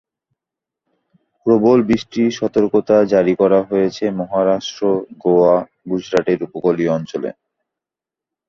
প্রবল বৃষ্টির সতর্কতা জারি করা হয়েছে মহারাষ্ট্র, গোয়া, গুজরাটের উপকূলীয় অঞ্চলে।